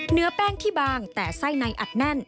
เนื้อแป้งที่บางแต่ไส้ในอัดแน่น